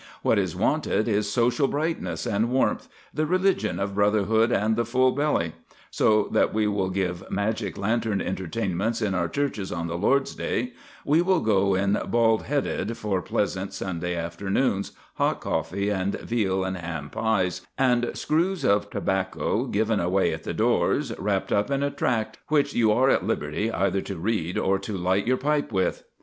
What is wanted is social brightness and warmth, the religion of brotherhood and the full belly; so that we will give magic lantern entertainments in our churches on the Lord's Day, we will go in 'bald headed' for pleasant Sunday afternoons, hot coffee and veal and ham pies, and screws of tobacco given away at the doors, wrapped up in a tract, which you are at liberty either to read or to light your pipe with."